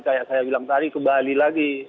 kayak saya bilang tadi ke bali lagi